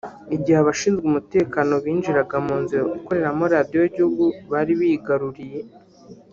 igihe abashinzwe umutekano binjiraga mu nzu ikoreramo Radio y’igihugu bari bigaruriye